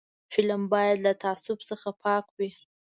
فلم باید له تعصب څخه پاک وي